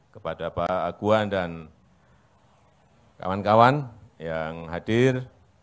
kepada pak aguan dan kawan kawan yang hadir